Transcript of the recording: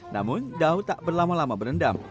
namun dau tak berlama lama berendam